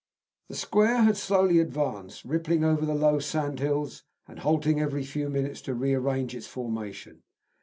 The square had slowly advanced, rippling over the low sandhills, and halting every few minutes to re arrange its formation.